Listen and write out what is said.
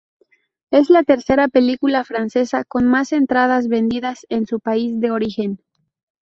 Es la tercera película francesa con más entradas vendidas en su país de origen.